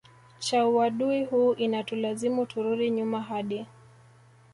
cha uadui huu inatulazimu turudi nyuma hadi